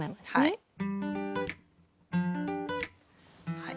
はい。